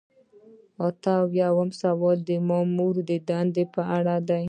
اته اویایم سوال د مامور د دندې په اړه دی.